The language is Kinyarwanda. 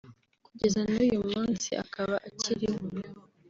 kugeza n’uyu munsi akaba akiriho